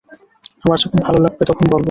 আমার যখন ভালো লাগবে তখন বলব।